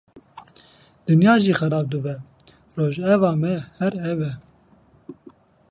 Dinya jî xera bibe, rojeva me her ev e.